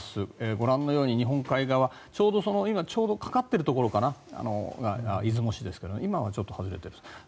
ご覧のように日本海側今、ちょうどかかっているところかな出雲市ですけど今は外れている。